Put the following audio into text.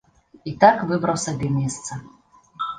І так выбраў сабе месца.